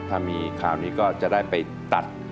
ถ้ามีข่าวนี้ก็จะได้ไปตัด